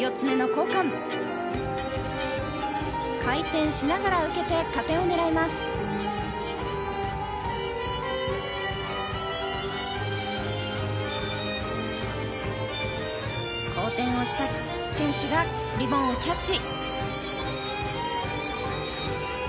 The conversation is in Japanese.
後転をした選手がリボンをキャッチ。